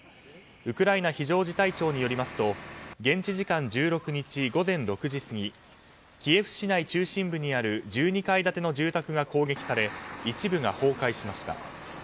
ウクライナ非常事態庁によりますと現地時間１６日午前６時過ぎキエフ市内中心部にある１２階建ての住宅が攻撃され一部が崩壊しました。